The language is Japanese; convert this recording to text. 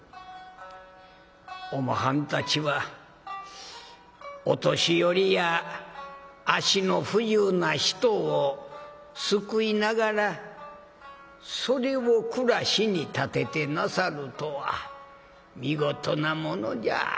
おまはんたちはお年寄りや足の不自由な人を救いながらそれを暮らしに立ててなさるとは見事なものじゃ。